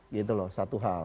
gitu loh satu hal